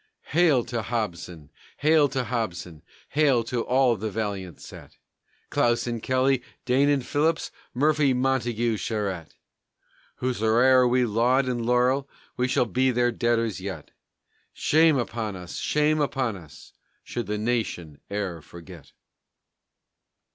_Hail to Hobson! hail to Hobson! hail to all the valiant set! Clausen, Kelly, Deignan, Phillips, Murphy, Montagu, Charette! Howsoe'er we laud and laurel we shall be their debtors yet! Shame upon us, shame upon us, should the nation e'er forget!